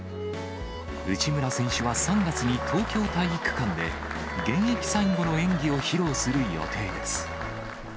内村選手は３月に、東京体育館で、現役最後の演技を披露する予定です。